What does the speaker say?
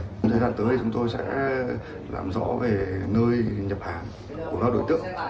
trong thời gian tới thì chúng tôi sẽ làm rõ về nơi nhập hàng của các đối tượng